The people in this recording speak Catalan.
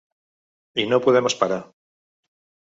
I no podem esperar!